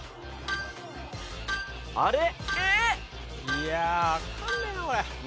いやあわかんねえなこれ。